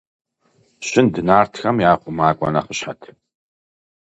Щынд нартхэм я хъумакӀуэ нэхъыщхьэт.